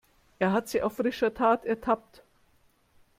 Er hat sie auf frischer Tat ertappt.